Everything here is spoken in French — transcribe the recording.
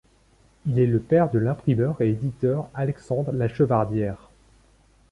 Il est le père de l'imprimeur et éditeur Alexandre Lachevardière.